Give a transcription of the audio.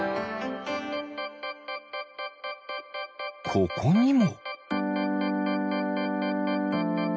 ここにも。